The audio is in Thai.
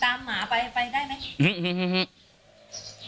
ตามหมาไปไปได้มั้ย